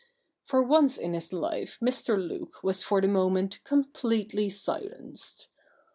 For once in his life Mr. Luke was for the moment completely silenced.